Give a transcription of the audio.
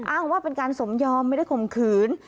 อ้างว่าเป็นการสมยอมไม่ได้ข่มขืน